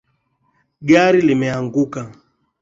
Gari limeanguka